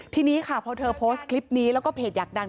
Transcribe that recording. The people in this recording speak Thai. ทีนี้ค่ะพอเธอโพสต์คลิปนี้แล้วก็เพจอยากดัง